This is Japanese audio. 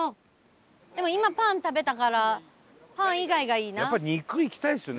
今パン食べたから「パン」以外がいいな。